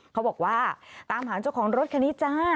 เขาบอกว่าตามหาเจ้าของรถคันนี้จ้า